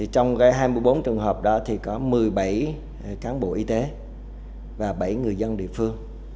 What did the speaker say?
trong hai mươi bốn trường hợp đó thì có một mươi bảy cán bộ y tế và bảy người dân địa phương